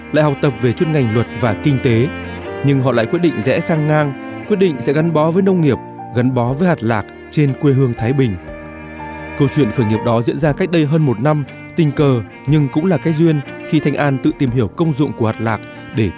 hãy đăng ký kênh để ủng hộ kênh của mình nhé